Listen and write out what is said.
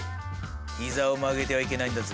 膝を曲げてはいけないんだぜ。